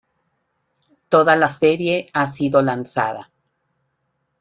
Toda la serie ha sido lanzada.